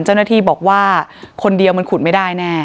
เจ้าหน้าที่บอกว่าคนเดียวมันขุดไม่ได้แน่